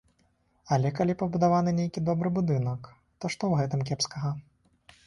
Але калі пабудаваны нейкі добры будынак, то што ў гэтым кепскага?